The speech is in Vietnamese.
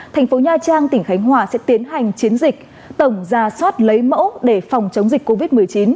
thành phố nha trang tỉnh khánh hòa sẽ tiến hành chiến dịch tổng ra soát lấy mẫu để phòng chống dịch covid một mươi chín